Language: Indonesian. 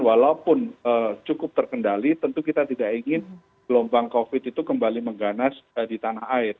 walaupun cukup terkendali tentu kita tidak ingin gelombang covid itu kembali mengganas di tanah air